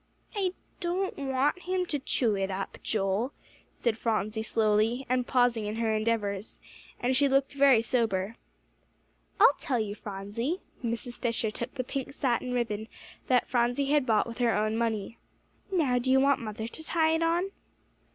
"I don't want him to chew it up, Joel," said Phronsie slowly, and pausing in her endeavors. And she looked very sober. "I'll tell you, Phronsie." Mrs. Fisher took the pink satin ribbon that Phronsie had bought with her own money. "Now, do you want mother to tie it on?"